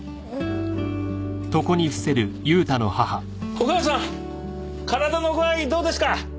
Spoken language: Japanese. お母さん体の具合どうですか？